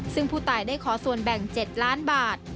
ซึ่งผู้ตายได้ขอส่วนแบ่ง๗ล้านบาท